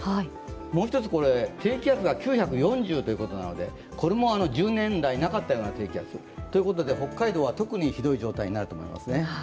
もう１つ、低気圧が９４０ということなので、これも１０年来なかったような低気圧。ということで、北海道は特にひどい状態になると思います。